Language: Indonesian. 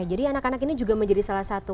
jadi anak anak ini juga menjadi salah satu